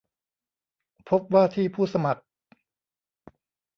พบว่าที่ผู้สมัคร